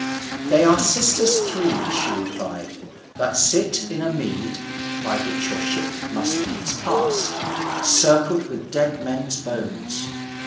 "They are sisters three," she replied, "that sit in a mead (by which your ship must needs pass) circled with dead men's bones.